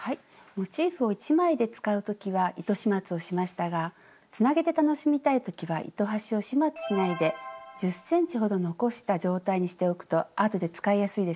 モチーフを１枚で使う時は糸始末をしましたがつなげて楽しみたい時は糸端を始末しないで１０ｃｍほど残した状態にしておくとあとで使いやすいですよ。